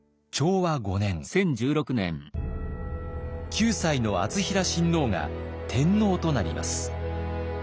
９歳の敦成親王が天皇となります。